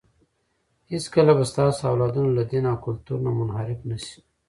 هېڅکله به ستاسو اولادونه له دین او کلتور نه منحرف نه شي.